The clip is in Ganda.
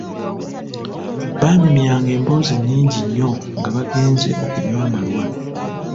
Baanyumyanga emboozi nnyingi nnyo nga bagenze okunywa amalwa.